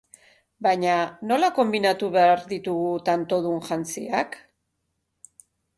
Baina nola konbinatu behar ditugu tantodun jantziak?